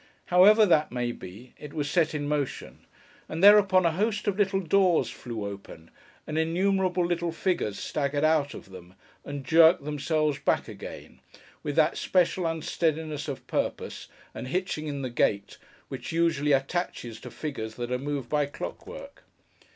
However that may be, it was set in motion, and thereupon a host of little doors flew open, and innumerable little figures staggered out of them, and jerked themselves back again, with that special unsteadiness of purpose, and hitching in the gait, which usually attaches to figures that are moved by clock work.